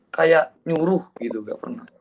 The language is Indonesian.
kayak nyuruh gitu gak pernah